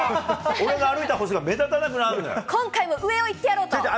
俺が歩いた歩数が目立たなくなる今回も上をいってやろうと。